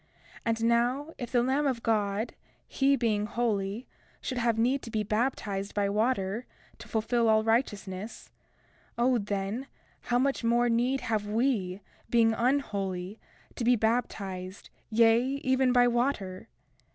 31:5 And now, if the Lamb of God, he being holy, should have need to be baptized by water, to fulfil all righteousness, O then, how much more need have we, being unholy, to be baptized, yea, even by water!